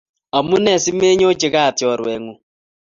Amune simenyochi Kat choruengung?